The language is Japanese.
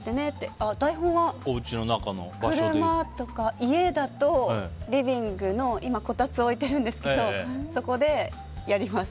家だとリビングの今、こたつを置いているんですがそこでやります。